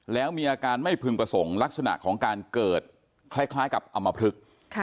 แล้วมีอาการไม่พึงประสงค์ลักษณะของการเกิดคล้ายกับอำมพลึก